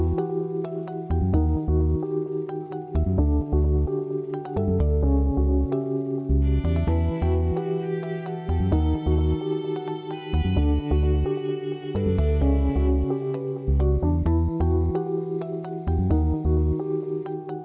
saya hari ini telah mencabut laporan